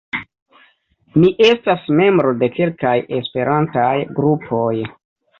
Mi estas membro de kelkaj Esperantaj grupoj.